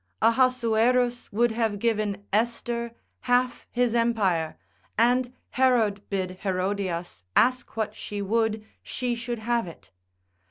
Ahasuerus would have given Esther half his empire, and Herod bid Herodias ask what she would, she should have it.